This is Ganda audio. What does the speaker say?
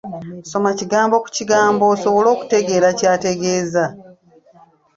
Soma kigambo ku kigambo osobole okutegeera ky'ategeeza.